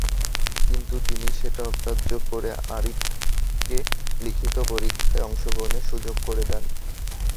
কিন্তু তিনি সেটা অগ্রাহ্য করে আরিফকে লিখিত পরীক্ষায় অংশগ্রহণের সুযোগ করে দেন।